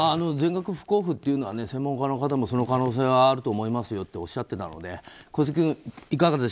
全額不交付というのは専門家の方もその可能性はあると思いますよとおっしゃっていたので。